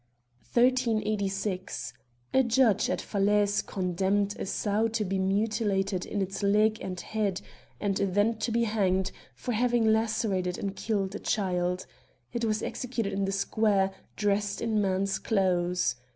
1386. A judge at Falaise condemned a sow to be mutilated in its leg and head, and then to be hanged, for having lacerated 58 Queer Culprits and killed a child. It was executed in the square, dressed in man's clothes.